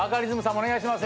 お願いします。